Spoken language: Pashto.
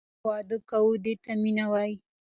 بیا هم موږ واده کوو دې ته مینه وایي.